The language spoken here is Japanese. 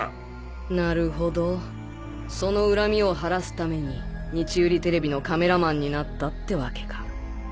なるほどその恨みをはらすために日売テレビのカメラマンになったってわけか。